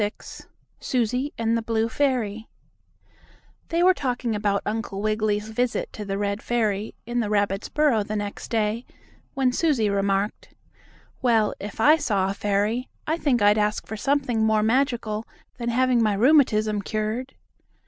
XXVI SUSIE AND THE BLUE FAIRY They were talking about Uncle Wiggily's visit to the red fairy, in the rabbits' burrow the next day, when Susie remarked: "Well, if I saw a fairy, I think I'd ask for something more magical than having my rheumatism cured."